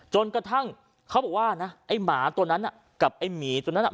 จนกระทั่งเขาบอกว่านะไอ้หมาตัวนั้นกับไอ้หมีตัวนั้นอ่ะ